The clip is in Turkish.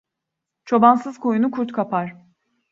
Çobansız koyunu kurt kapar.